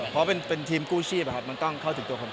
เพราะว่าเป็นทีมกู้ชีปมันต้องเข้าถึงต้นคนไข้